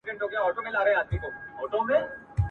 دا هلمند هلمند رودونه ..